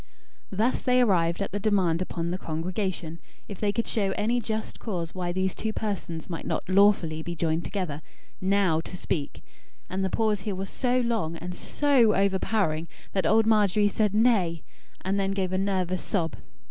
Thus they arrived at the demand upon the congregation, if they could show any just cause why these two persons might not lawfully be joined together, NOW to speak and the pause here was so long, and so over powering, that old Margery said "nay"; and then gave a nervous sob.